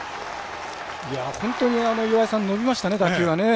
本当に岩井さん伸びましたね、打球が。